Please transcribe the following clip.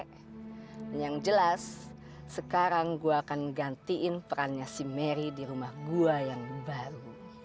yang jelas sekarang gue akan gantiin perannya si mary di rumah gue yang baru